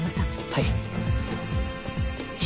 はい。